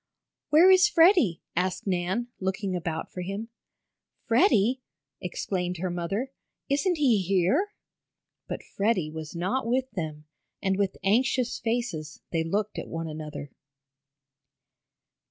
"Where is Freddie?" asked Nan, looking about for him. "Freddie!" exclaimed her mother! "Isn't he here?" But Freddie was not with them, and with anxious faces they looked at one another.